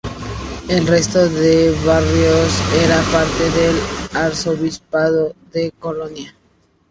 El resto de barrios eran parte del Arzobispado de Colonia.